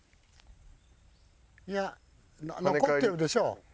いや残ってるでしょう。